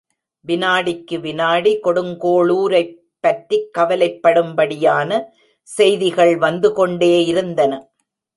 விநாடிக்கு விநாடி கொடுங்கோளுரைப் பற்றிக் கவலைப் படும்படியான செய்திகள் வந்துகொண்டே இருந்தன.